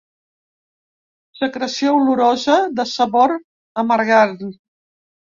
Secreció olorosa de sabor amargant.